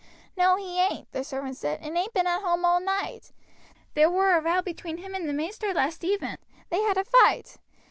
"No, he ain't," the servant said, "and ain't been at home all night; there were a row between him and maister last even; they had a fight.